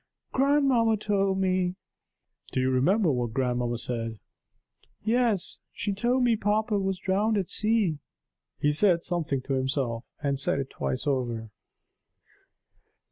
"Grandmamma told me." "Do you remember what grandmamma said?" "Yes she told me papa was drowned at sea." He said something to himself, and said it twice over.